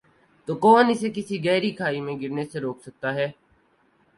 تو کون اسے کسی گہری کھائی میں گرنے سے روک سکتا ہے ۔